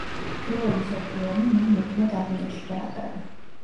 პირველი მსოფლიო ომი მან მოქმედ არმიაში გაატარა.